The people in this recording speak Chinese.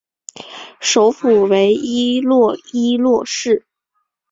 首府为伊洛伊洛市。